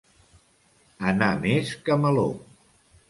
Anar més que Meló.